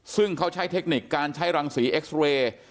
ซึ่งเขาใช้เทคนิคการใช้รังสีเอ็กซ์เรย์